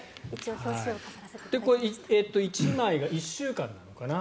これ１枚が１週間なのかな。